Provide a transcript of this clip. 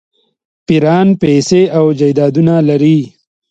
پیران پیسې او جایدادونه لري.